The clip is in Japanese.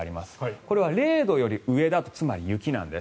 これは０度より上だと雪なんです。